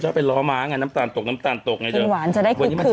ชอบไปล้อม้าไงน้ำตาลตกน้ำตาลตกไงเถอะเป็นหวานจะได้คืนคืน